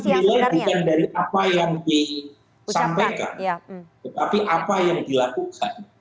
seorang yang berpikir bukan dari apa yang disampaikan tetapi apa yang dilakukan